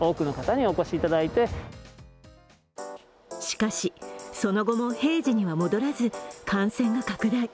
しかし、その後も平時には戻らず感染が拡大。